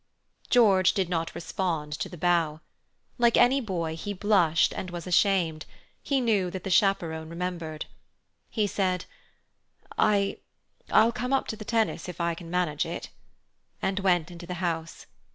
George did not respond to the bow. Like any boy, he blushed and was ashamed; he knew that the chaperon remembered. He said: "I—I'll come up to tennis if I can manage it," and went into the house.